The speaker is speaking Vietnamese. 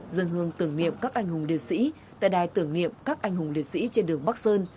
dân hương tưởng niệm các anh hùng liệt sĩ tại đài tưởng niệm các anh hùng liệt sĩ trên đường bắc sơn